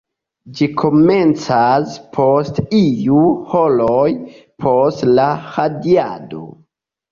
Ĝi komencas post iu horoj post la radiado.